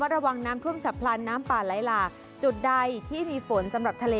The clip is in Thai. ระวังน้ำท่วมฉับพลันน้ำป่าไหลหลากจุดใดที่มีฝนสำหรับทะเล